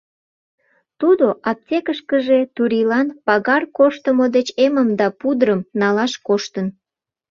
Тудо аптекышкыже Турийлан пагар корштымо деч эмым да пудрым налаш коштын.